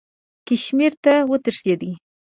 کشمیر ته وتښتېدی.